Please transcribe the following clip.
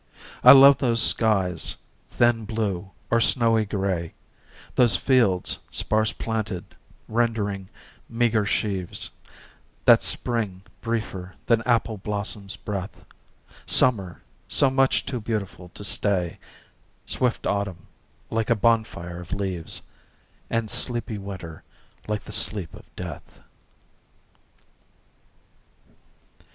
I love those skies, thin blue or snowy gray, Those fields sparse planted, rendering meager sheaves; That spring, briefer than apple blossom's breath, Summer, so much too beautiful to stay, Swift autumn, like a bonfire of leaves, And sleepy winter, like the sleep of death.